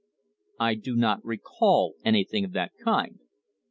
I do not recall anything of that kind.